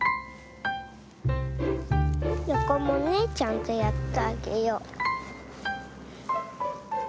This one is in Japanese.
よこもねちゃんとやってあげよう。